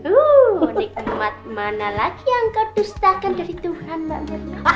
uh nikmat mana lagi yang kau tustahkan dari tuhan mbak mirna